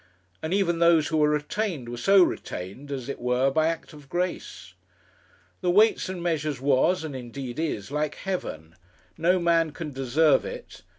And even those who were retained were so retained, as it were, by an act of grace. The Weights and Measures was, and indeed is, like heaven no man can deserve it.